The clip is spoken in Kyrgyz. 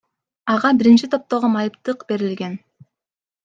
Ага биринчи топтогу майыптык берилген.